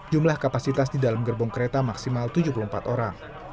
jumlah kapasitas di dalam gerbong kereta maksimal tujuh puluh empat orang